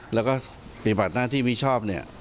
แล้วก็ปรีบัติหน้าที่มิชอบ